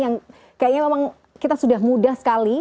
yang kayaknya memang kita sudah mudah sekali